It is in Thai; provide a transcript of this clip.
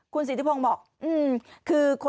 คุณสิทธิพงบอก